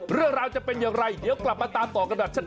เรื่องราวจะเป็นอย่างไรเดี๋ยวกลับมาตามต่อกันแบบชัด